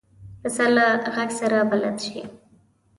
پسه له غږ سره بلد شي.